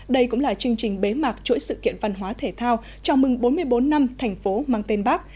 đây cũng là chương trình bế mạc chuỗi sự kiện văn hóa thể thao chào mừng bốn mươi bốn năm thành phố mang tên bác